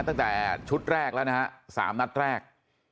ตั้งแต่ชุดแรกแล้วนะฮะ๓นัดแรก